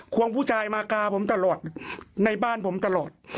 วงผู้ชายมากาผมตลอดในบ้านผมตลอด